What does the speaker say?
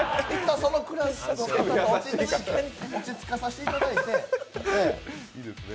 そのくらいの方と落ち着かさせていただいて。